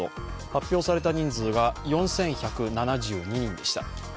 発表された人数が４１７２人でした。